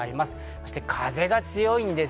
そして風が強いんです。